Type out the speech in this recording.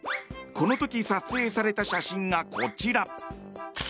この時、撮影された写真がこちら。